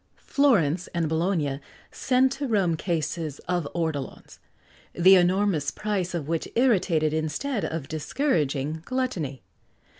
Florence and Bologna sent to Rome cases of ortolans, the enormous price of which irritated instead of discouraging gluttony.